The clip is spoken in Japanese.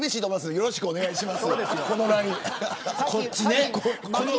よろしくお願いします。